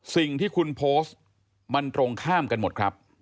สิ่งที่คุณโพสต์มันตรงข้ามกันหมดครับ